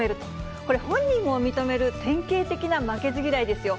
これ、本人も認める典型的な負けず嫌いですよ。